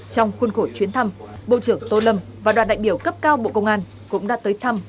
trong khuôn khổ chuyến thăm bộ trưởng tô lâm và đoàn đại biểu cấp cao bộ công an cũng đã tới thăm